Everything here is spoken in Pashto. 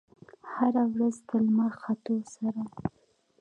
هره ورځ د لمر ختو سره